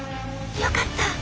よかった！